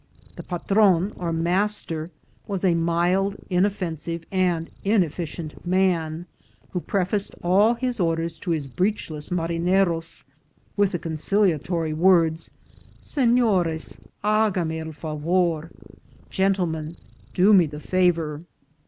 The patron or master was a mild, inoffensive, and inefficient man, who prefaced all his orders to his breechless marineros with the con ciliatory words, " Senores, haga me el favor ;"" Gen tlemen, do me the favour."